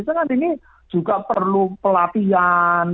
itu kan ini juga perlu pelatihan